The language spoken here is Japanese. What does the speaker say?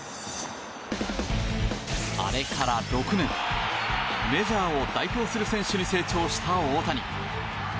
あれから６年、メジャーを代表する選手に成長した大谷。